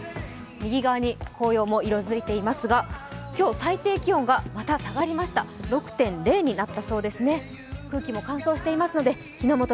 右側に紅葉も色づいていますが、今日最低気温がまた下がりました、６．０になったそうですね。